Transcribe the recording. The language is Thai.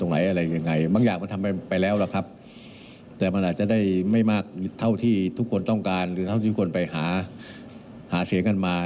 หรือเท่าที่ทุกคนไปหาเสียงกันมา